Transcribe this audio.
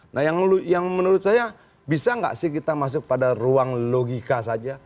nah yang menurut saya bisa nggak sih kita masuk pada ruang logika saja